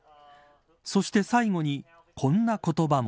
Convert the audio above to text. そして最後に、こんな言葉も。